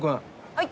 はい。